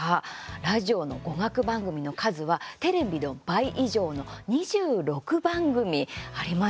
ラジオの語学番組の数はテレビの倍以上の２６番組あります。